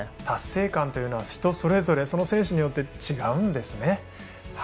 達成感というのは人それぞれ、その選手によって違うんですね。